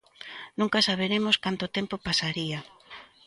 Nunca saberemos canto tempo pasaría.